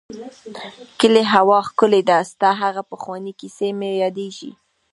د کلي هوا ښکلې ده ، ستا هغه پخوانی کيسې مې ياديږي.